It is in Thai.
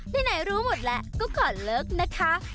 ไหนรู้หมดแล้วก็ขอเลิกนะคะ